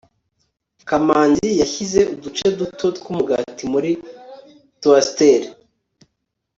kamanzi yashyize uduce duto twumugati muri toasteri